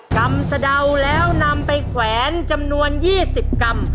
ำสะเดาแล้วนำไปแขวนจำนวน๒๐กรัม